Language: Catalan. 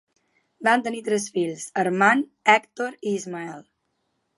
Van tenir tres fills, Armand, Hèctor i Ismael.